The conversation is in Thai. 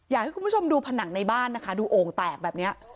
อยากให้คุณผู้ชมดูผนังในบ้านนะคะดูโอ่งแตกแบบนี้